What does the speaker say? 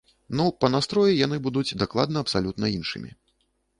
Ну, па настроі яны будуць дакладна абсалютна іншымі.